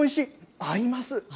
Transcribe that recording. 合います。